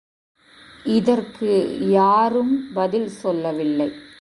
இதற்கு யாரும் பதில் சொல்லவில்லை.